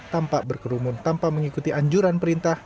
tampak berkerumun tanpa mengikuti anjuran perintah